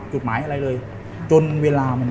หมายอะไรเลยจนเวลามัน